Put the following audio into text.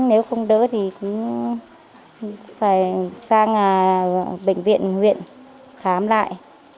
nếu không đỡ thì cũng phải sang bệnh viện huyện khám lại